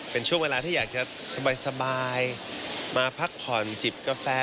เป็นช่วงเวลาที่อยากจะสบายมาพักผ่อนจิบกาแฟ